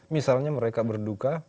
misalnya mereka berduka